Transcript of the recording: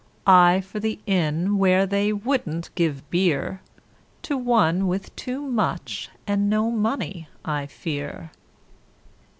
I for the Inn where they wouldn't give beer, To one with too much and no money, I fear.